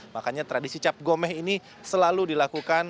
makanya tradisi cap gomeh ini selalu dilakukan